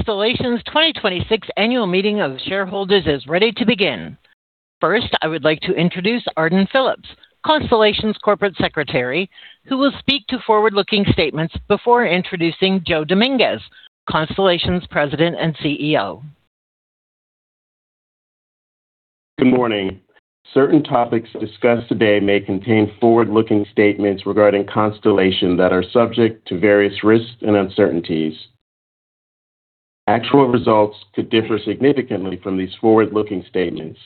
Constellation's 2026 annual meeting of shareholders is ready to begin. First, I would like to introduce Arden Phillips, Constellation's Corporate Secretary, who will speak to forward-looking statements before introducing Joe Dominguez, Constellation's President and CEO. Good morning. Certain topics discussed today may contain forward-looking statements regarding Constellation that are subject to various risks and uncertainties. Actual results could differ significantly from these forward-looking statements.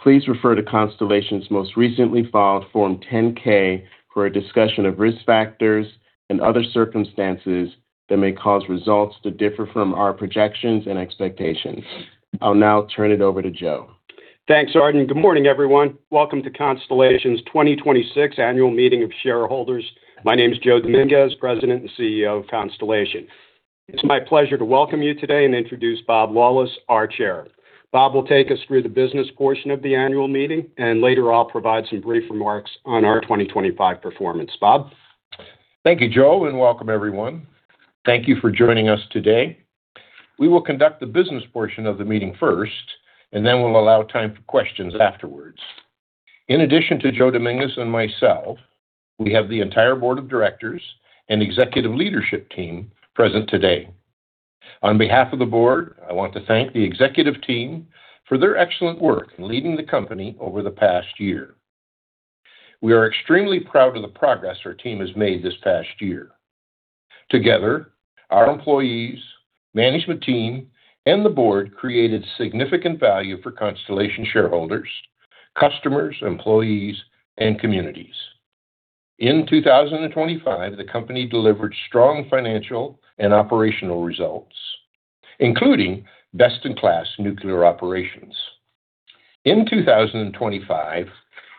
Please refer to Constellation's most recently filed Form 10-K for a discussion of risk factors and other circumstances that may cause results to differ from our projections and expectations. I'll now turn it over to Joe. Thanks, Arden. Good morning, everyone. Welcome to Constellation's 2026 annual meeting of shareholders. My name is Joe Dominguez, President and CEO of Constellation. It's my pleasure to welcome you today and introduce Rob Lawless, our Chair. Rob will take us through the business portion of the annual meeting, and later I'll provide some brief remarks on our 2025 performance. Rob. Thank you, Joe, and welcome everyone. Thank you for joining us today. We will conduct the business portion of the meeting first, and then we'll allow time for questions afterwards. In addition to Joe Dominguez and myself, we have the entire board of directors and executive leadership team present today. On behalf of the board, I want to thank the executive team for their excellent work in leading the company over the past year. We are extremely proud of the progress our team has made this past year. Together, our employees, management team, and the board created significant value for Constellation shareholders, customers, employees and communities. In 2025, the company delivered strong financial and operational results, including best-in-class nuclear operations. In 2025,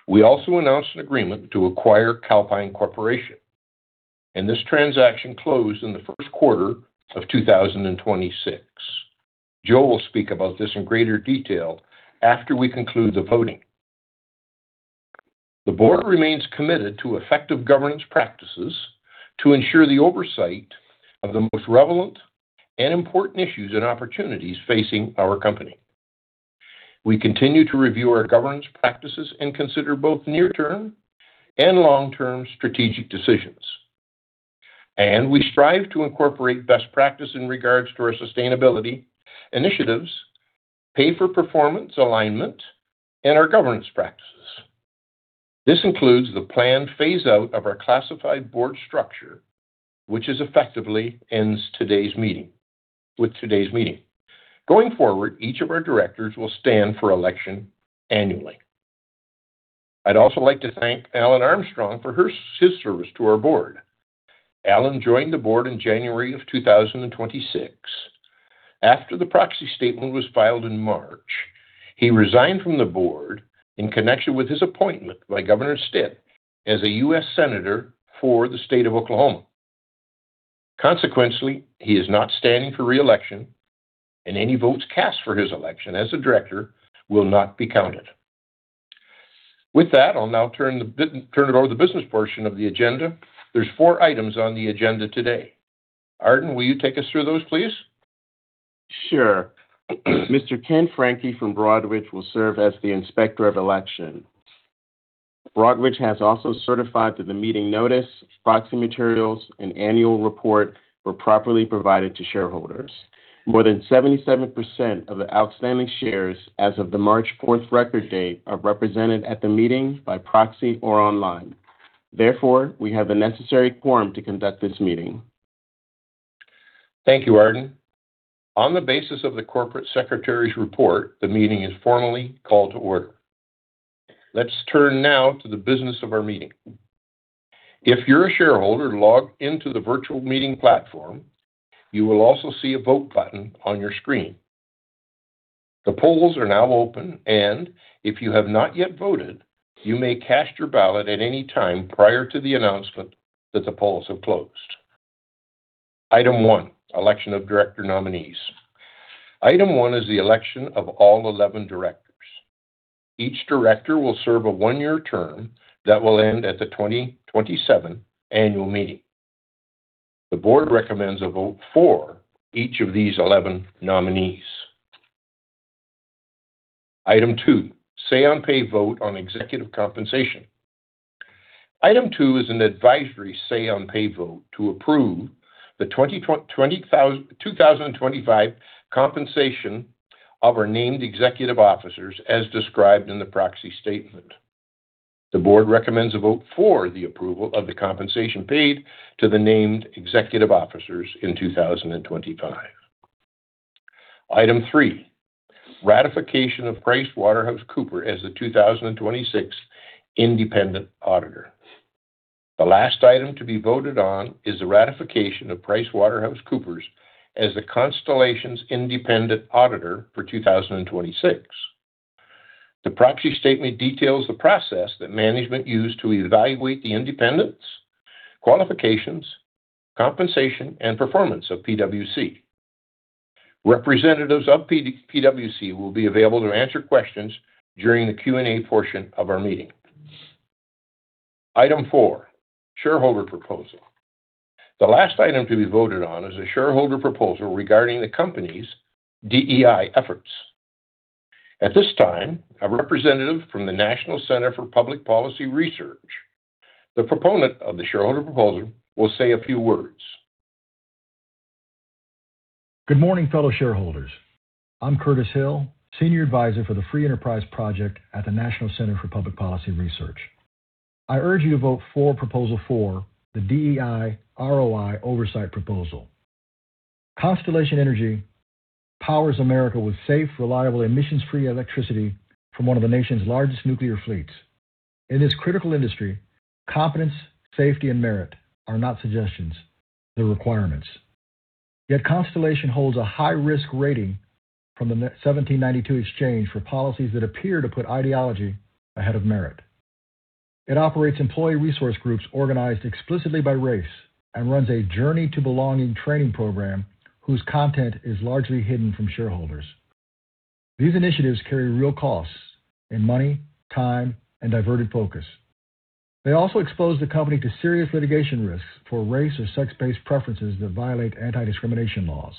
we also announced an agreement to acquire Calpine Corporation, and this transaction closed in the first quarter of 2026. Joe will speak about this in greater detail after we conclude the voting. The board remains committed to effective governance practices to ensure the oversight of the most relevant and important issues and opportunities facing our company. We continue to review our governance practices and consider both near-term and long-term strategic decisions. We strive to incorporate best practice in regards to our sustainability initiatives, pay for performance alignment and our governance practices. This includes the planned phase-out of our classified board structure, which effectively ends with today's meeting. Going forward, each of our directors will stand for election annually. I'd also like to thank Alan S. Armstrong for his service to our board. Alan S. Armstrong joined the board in January of 2026. After the proxy statement was filed in March, he resigned from the board in connection with his appointment by Governor Stitt as a U.S. senator for the state of Oklahoma. Consequently, he is not standing for re-election, and any votes cast for his election as a director will not be counted. With that, I'll now turn it over the business portion of the agenda. There's four items on the agenda today. Arden, will you take us through those, please? Sure. Mr. Ken Franke from Broadridge will serve as the Inspector of Election. Broadridge has also certified that the meeting notice, proxy materials, and annual report were properly provided to shareholders. More than 77% of the outstanding shares as of the March fourth record date are represented at the meeting by proxy or online. Therefore, we have the necessary quorum to conduct this meeting. Thank you, Arden. On the basis of the corporate secretary's report, the meeting is formally called to order. Let's turn now to the business of our meeting. If you're a shareholder logged into the virtual meeting platform, you will also see a Vote button on your screen. The polls are now open, and if you have not yet voted, you may cast your ballot at any time prior to the announcement that the polls have closed. Item 1, election of director nominees. Item 1 is the Election of all 11 Directors. Each director will serve a one-year term that will end at the 2027 annual meeting. The board recommends a vote for each of these 11 nominees. Item two, say on pay vote on executive compensation. Item 2 is an advisory say on pay vote to approve the 2025 compensation of our named executive officers as described in the proxy statement. The board recommends a vote for the approval of the compensation paid to the named executive officers in 2025. Item 3, Ratification of PricewaterhouseCoopers as the 2026 independent auditor. The last item to be voted on is the ratification of PricewaterhouseCoopers as Constellation's independent auditor for 2026. The proxy statement details the process that management used to evaluate the independence, qualifications, compensation and performance of PwC. Representatives of PwC will be available to answer questions during the Q&A portion of our meeting. Item 4, shareholder proposal. The last item to be voted on is a shareholder proposal regarding the company's DEI efforts. At this time, a representative from the National Center for Public Policy Research, the proponent of the shareholder proposal, will say a few words. Good morning, fellow shareholders. I'm Curtis Hill, Senior Advisor for the Free Enterprise Project at the National Center for Public Policy Research. I urge you to vote for Proposal 4, the DEI ROI Oversight proposal. Constellation Energy powers America with safe, reliable, emissions-free electricity from one of the nation's largest nuclear fleets. In this critical industry, competence, safety, and merit are not suggestions, they're requirements. Yet Constellation holds a high-risk rating from the 1792 Exchange for policies that appear to put ideology ahead of merit. It operates employee resource groups organized explicitly by race and runs a Journey to Belonging training program whose content is largely hidden from shareholders. These initiatives carry real costs in money, time, and diverted focus. They also expose the company to serious litigation risks for race or sex-based preferences that violate anti-discrimination laws.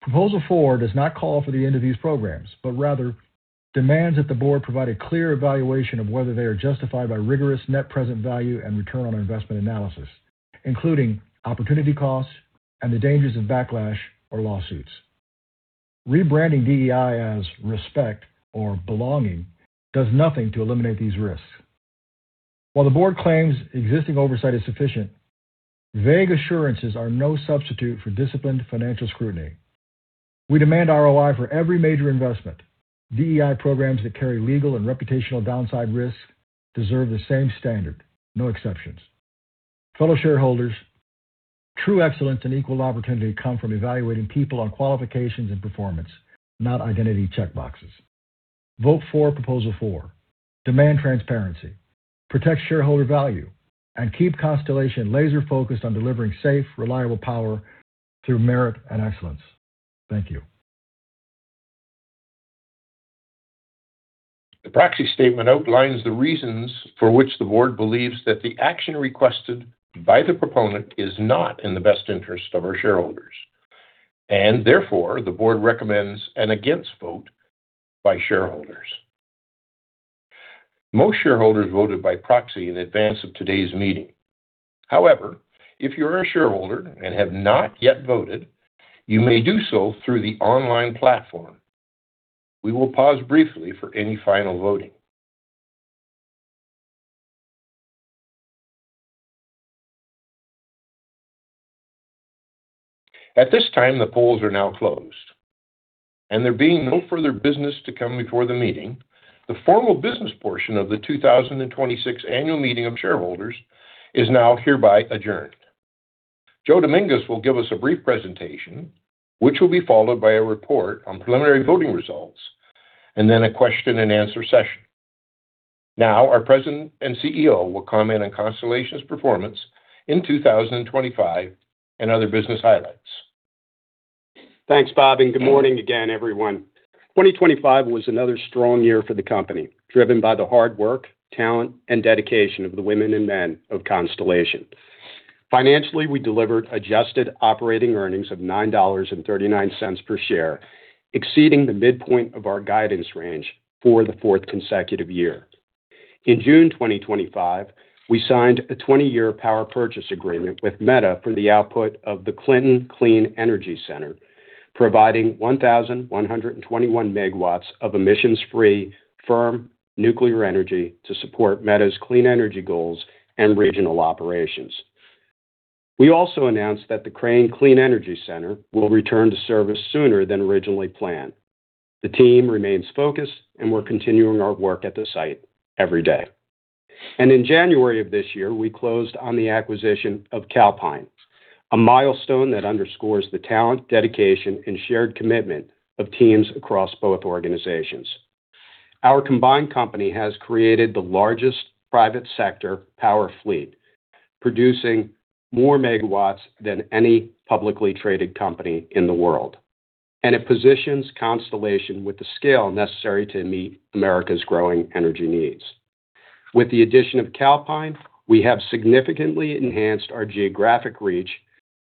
Proposal Four does not call for the end of these programs, but rather demands that the board provide a clear evaluation of whether they are justified by rigorous net present value and return on investment analysis, including opportunity costs and the dangers of backlash or lawsuits. Rebranding DEI as respect or belonging does nothing to eliminate these risks. While the board claims existing oversight is sufficient, vague assurances are no substitute for disciplined financial scrutiny. We demand ROI for every major investment. DEI programs that carry legal and reputational downside risks deserve the same standard, no exceptions. Fellow shareholders, true excellence and equal opportunity come from evaluating people on qualifications and performance, not identity checkboxes. Vote for Proposal Four. Demand transparency. Protect shareholder value, and keep Constellation laser-focused on delivering safe, reliable power through merit and excellence. Thank you. The proxy statement outlines the reasons for which the board believes that the action requested by the proponent is not in the best interest of our shareholders, and therefore, the board recommends an against vote by shareholders. Most shareholders voted by proxy in advance of today's meeting. However, if you are a shareholder and have not yet voted, you may do so through the online platform. We will pause briefly for any final voting. At this time, the polls are now closed. There being no further business to come before the meeting, the formal business portion of the 2026 annual meeting of shareholders is now hereby adjourned. Joe Dominguez will give us a brief presentation, which will be followed by a report on preliminary voting results and then a question-and-answer session. Our President and CEO will comment on Constellation's performance in 2025 and other business highlights. Thanks, Bob. Good morning again, everyone. 2025 was another strong year for the company, driven by the hard work, talent, and dedication of the women and men of Constellation. Financially, we delivered adjusted operating earnings of $9.39 per share, exceeding the midpoint of our guidance range for the fourth consecutive year. In June 2025, we signed a 20-year power purchase agreement with Meta for the output of the Clinton Clean Energy Center, providing 1,121 megawatts of emissions-free firm nuclear energy to support Meta's clean energy goals and regional operations. We also announced that the Crane Clean Energy Center will return to service sooner than originally planned. The team remains focused. We're continuing our work at the site every day. In January of this year, we closed on the acquisition of Calpine, a milestone that underscores the talent, dedication, and shared commitment of teams across both organizations. Our combined company has created the largest private sector power fleet, producing more megawatts than any publicly traded company in the world. It positions Constellation with the scale necessary to meet America's growing energy needs. With the addition of Calpine, we have significantly enhanced our geographic reach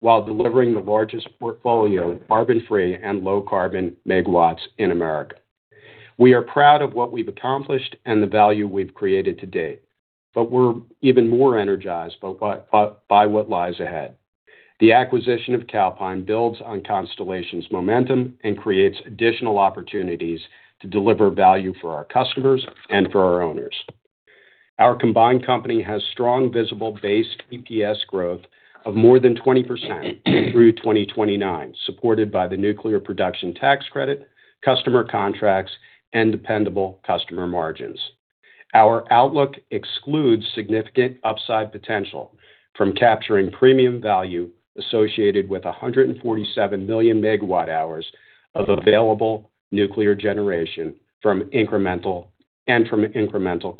while delivering the largest portfolio of carbon-free and low carbon megawatts in America. We are proud of what we've accomplished and the value we've created to date, but we're even more energized by what lies ahead. The acquisition of Calpine builds on Constellation's momentum and creates additional opportunities to deliver value for our customers and for our owners. Our combined company has strong visible base EPS growth of more than 20% through 2029, supported by the nuclear production tax credit, customer contracts, and dependable customer margins. Our outlook excludes significant upside potential from capturing premium value associated with 147 million megawatt hours of available nuclear generation from incremental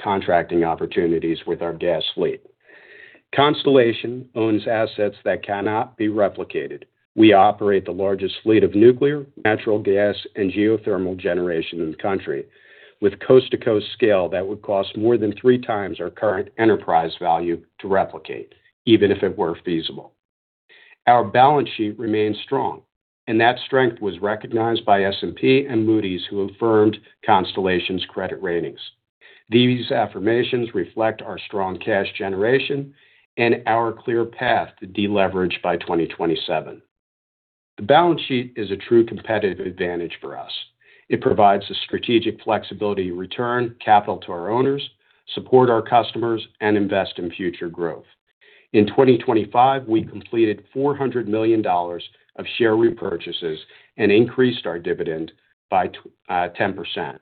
contracting opportunities with our gas fleet. Constellation owns assets that cannot be replicated. We operate the largest fleet of nuclear, natural gas, and geothermal generation in the country with coast-to-coast scale that would cost more than 3x our current enterprise value to replicate, even if it were feasible. Our balance sheet remains strong, and that strength was recognized by S&P and Moody's, who affirmed Constellation's credit ratings. These affirmations reflect our strong cash generation and our clear path to deleverage by 2027. The balance sheet is a true competitive advantage for us. It provides the strategic flexibility to return capital to our owners, support our customers, and invest in future growth. In 2025, we completed $400 million of share repurchases and increased our dividend by 10%.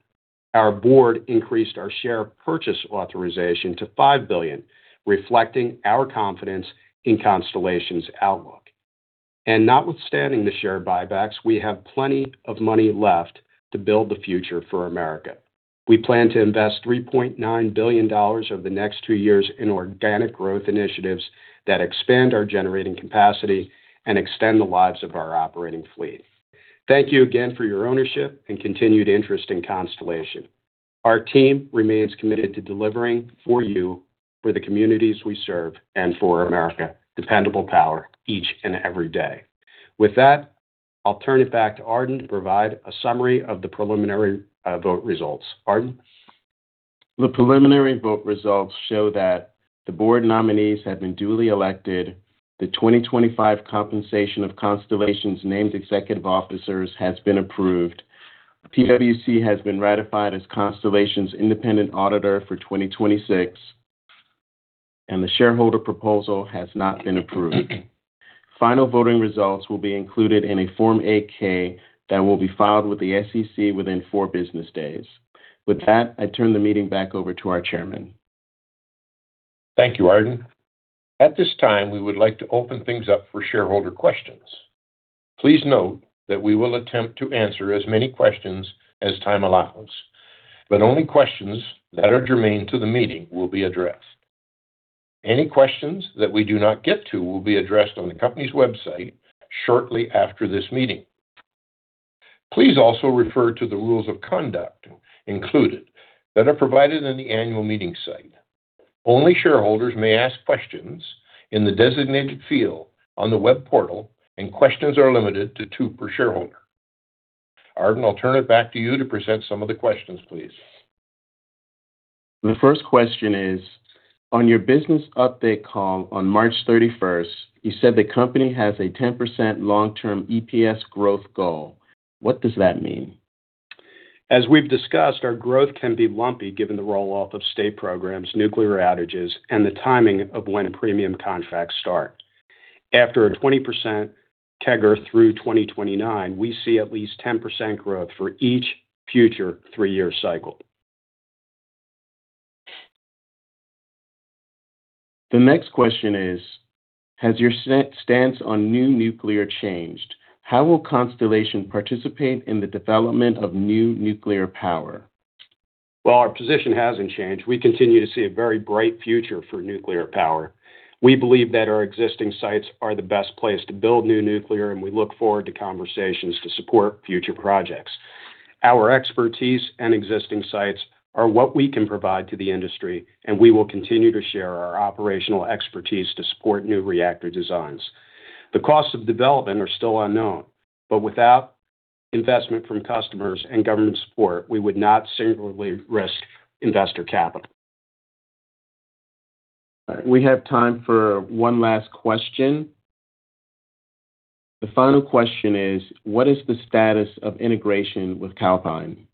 Our board increased our share purchase authorization to $5 billion, reflecting our confidence in Constellation's outlook. Notwithstanding the share buybacks, we have plenty of money left to build the future for America. We plan to invest $3.9 billion over the next 2 years in organic growth initiatives that expand our generating capacity and extend the lives of our operating fleet. Thank you again for your ownership and continued interest in Constellation. Our team remains committed to delivering for you, for the communities we serve, and for America, dependable power each and every day. With that, I'll turn it back to Arden to provide a summary of the preliminary vote results. Arden? The preliminary vote results show that the board nominees have been duly elected, the 2025 compensation of Constellation's named executive officers has been approved. PwC has been ratified as Constellation's independent auditor for 2026, and the shareholder proposal has not been approved. Final voting results will be included in a Form 8-K that will be filed with the SEC within four business days. With that, I turn the meeting back over to our chairman. Thank you, Arden. At this time, we would like to open things up for shareholder questions. Please note that we will attempt to answer as many questions as time allows, but only questions that are germane to the meeting will be addressed. Any questions that we do not get to will be addressed on the company's website shortly after this meeting. Please also refer to the rules of conduct included that are provided in the annual meeting site. Only shareholders may ask questions in the designated field on the web portal, and questions are limited to two per shareholder. Arden, I'll turn it back to you to present some of the questions, please. The first question is, "On your business update call on March 31st, you said the company has a 10% long-term EPS growth goal. What does that mean? As we've discussed, our growth can be lumpy given the roll-off of state programs, nuclear outages, and the timing of when premium contracts start. After a 20% CAGR through 2029, we see at least 10% growth for each future three-year cycle. The next question is, "Has your stance on new nuclear changed? How will Constellation participate in the development of new nuclear power? Well, our position hasn't changed. We continue to see a very bright future for nuclear power. We believe that our existing sites are the best place to build new nuclear, and we look forward to conversations to support future projects. Our expertise and existing sites are what we can provide to the industry, and we will continue to share our operational expertise to support new reactor designs. The costs of development are still unknown, but without investment from customers and government support, we would not singularly risk investor capital. We have time for one last question. The final question is, "What is the status of integration with Calpine?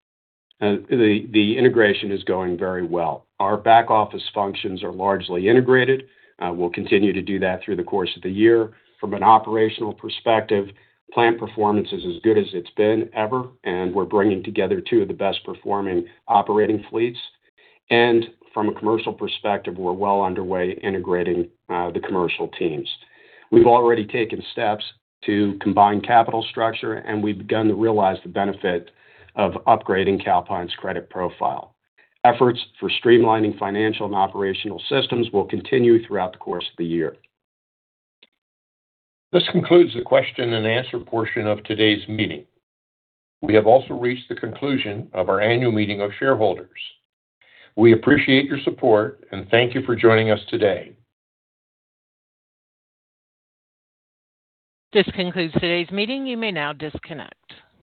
The, the integration is going very well. Our back-office functions are largely integrated. We'll continue to do that through the course of the year. From an operational perspective, plant performance is as good as it's been ever, and we're bringing together two of the best-performing operating fleets. From a commercial perspective, we're well underway integrating the commercial teams. We've already taken steps to combine capital structure, and we've begun to realize the benefit of upgrading Calpine's credit profile. Efforts for streamlining financial and operational systems will continue throughout the course of the year. This concludes the question-and-answer portion of today's meeting. We have also reached the conclusion of our annual meeting of shareholders. We appreciate your support and thank you for joining us today. This concludes today's meeting. You may now disconnect.